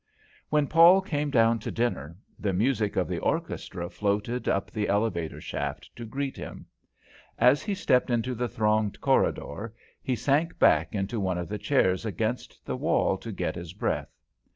When Paul came down to dinner, the music of the orchestra floated up the elevator shaft to greet him. As he stepped into the thronged corridor, he sank back into one of the chairs against the wall to get his breath.